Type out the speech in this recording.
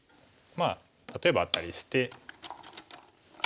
例えばアタリして。